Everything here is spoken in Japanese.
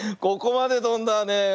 ここまでとんだね。